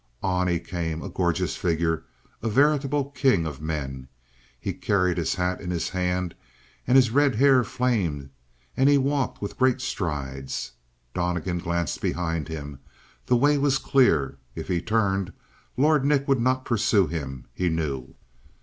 On he came, a gorgeous figure, a veritable king of men. He carried his hat in his hand and his red hair flamed, and he walked with great strides. Donnegan glanced behind him. The way was clear. If he turned, Lord Nick would not pursue him, he knew.